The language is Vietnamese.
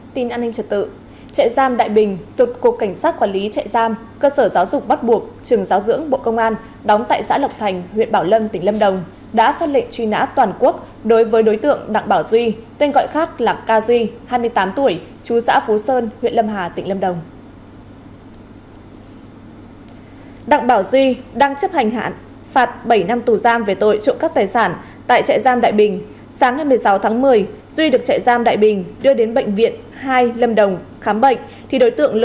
tin an ninh trật tự trại giam đại bình thuộc cục cảnh sát quản lý trại giam cơ sở giáo dục bắt buộc trường giáo dưỡng bộ công an đóng tại xã lộc thành huyện bảo lâm tỉnh lâm đồng đã phát lệ truy nã toàn quốc đối với đối tượng đặng bảo duy tên gọi khác là ca duy hai mươi tám tuổi chú xã phú sơn huyện lâm hà tỉnh lâm đồng